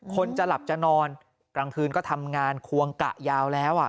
คนจะหลับจะนอนกลางคืนก็ทำงานควงกะยาวแล้ว